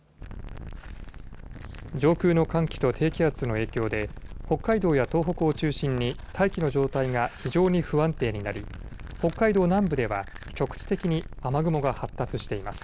上空の寒気と低気圧の影響で北海道や東北を中心に大気の状態が非常に不安定になり、北海道南部では局地的に雨雲が発達しています。